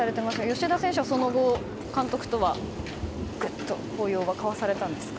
吉田選手は、その後、監督とは抱擁は交わされたんですか？